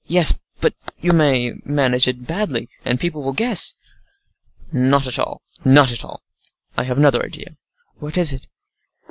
"Yes; but you may manage it badly, and people will guess." "Not at all,—not at all. I have another idea." "What is that?"